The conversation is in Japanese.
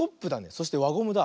そしてわゴムだ。